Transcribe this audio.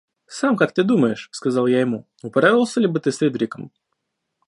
– Сам как ты думаешь? – сказал я ему, – управился ли бы ты с Фридериком?